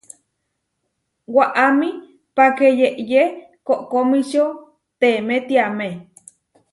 Waʼámi páke yeʼyé koʼkomičio teemé tiamé.